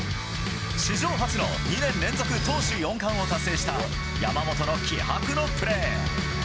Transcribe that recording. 史上初の２年連続の投手４冠を達成した山本の気迫のプレー。